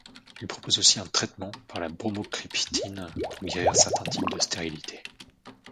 Il propose aussi un traitement par la bromocriptine pour guérir certains types de stérilité.